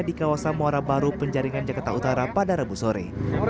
di kawasan muara baru penjaringan jakarta utara pada rabu sore